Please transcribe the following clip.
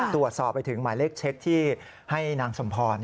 ตรวจสอบไปถึงหมายเลขเช็คที่ให้นางสมพร